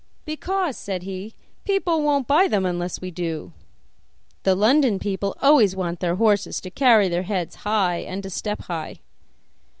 'Because,' said he, 'people won't buy them unless we do. The London people always want their horses to carry their heads high and to step high.